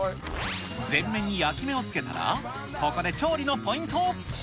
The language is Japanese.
全面に焼き目をつけたらここで調理のポイント。